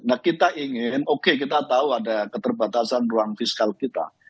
nah kita ingin oke kita tahu ada keterbatasan ruang fiskal kita